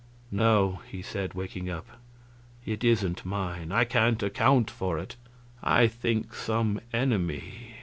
"No," he said, waking up, "it isn't mine. I can't account for it. I think some enemy...